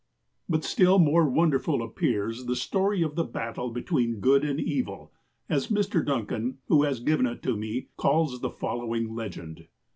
But, still more wonderful apj^ears the story of ^^ Tlie Battle between Good and JSvil,^' as Mr. Duncan, who has given it to me, calls the following legend.